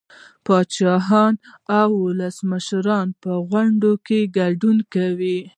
پاچاهانو او ولسمشرانو په غونډو کې ګډون کاوه